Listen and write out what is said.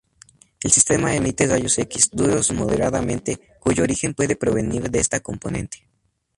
El sistema emite rayos X duros moderadamente, cuyo origen puede provenir de esta componente.